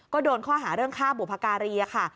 ก็โดนข้อหาเรื่องฆ่าบุพการีค่ะ